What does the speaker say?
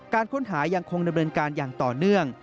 การค้นหายังคงดำเนินการอย่างต่อเนื่อง